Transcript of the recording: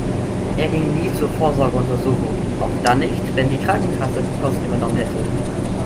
Er ging nie zur Vorsorgeuntersuchung, auch dann nicht, wenn die Krankenkasse die Kosten übernommen hätte.